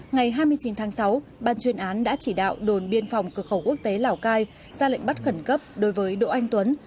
ngày hai mươi chín tháng sáu ban chuyên án đã chỉ đạo đồn biên phòng cửa khẩu quốc tế lào cai ra lệnh bắt khẩn cấp đối với đỗ anh tuấn